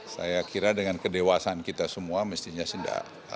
saya kira dengan kedewasan kita semua mestinya tidak masalah